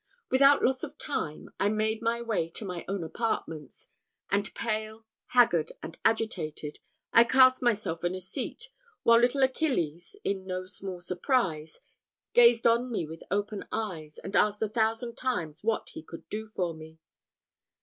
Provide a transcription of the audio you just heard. Without loss of time, I made my way to my own apartments; and pale, haggard, and agitated, I cast myself on a seat, while little Achilles, in no small surprise, gazed on me with open eyes, and asked a thousand times what he could do for me.